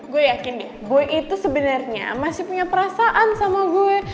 gue yakin deh boy itu sebenernya masih punya perasaan sama gue